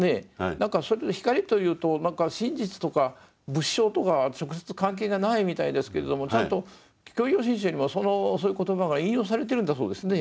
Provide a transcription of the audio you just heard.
何かそれを光と言うと何か真実とか仏性とか直接関係がないみたいですけれどもちゃんと「教行信証」にもそういう言葉が引用されているんだそうですね。